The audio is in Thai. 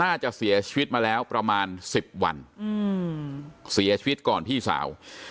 น่าจะเสียชีวิตมาแล้วประมาณ๑๐วันเสียชีวิตก่อนพี่สาว